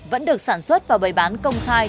vẫn được sản xuất và bày bán công khai